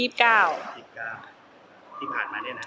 วันที่๒๙ที่ผ่านมาเนี่ยนะ